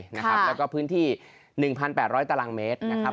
แล้วก็พื้นที่๑๘๐๐ตารางเมตรนะครับ